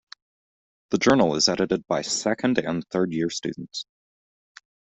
The journal is edited by second and third-year students.